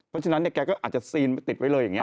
เพราะฉะนั้นเนี่ยแกก็อาจจะซีนติดไว้เลยอย่างนี้